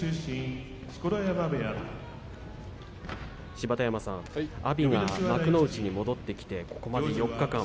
芝田山さん、阿炎が幕内に戻ってきてここまで４日間